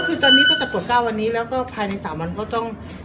คือตอนนี้ก็จะปลดกล้าวันนี้แล้วก็ภายใน๓วันก็ต้อง